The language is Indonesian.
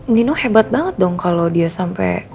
nino hebat banget dong kalau dia sampai